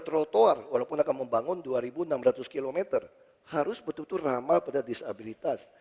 trotoar walaupun akan membangun dua enam ratus km harus betul betul ramah pada disabilitas